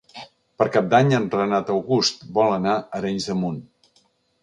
Per Cap d'Any en Renat August vol anar a Arenys de Munt.